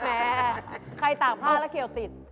แม้ใครตากผ้าแล้วเขียวติด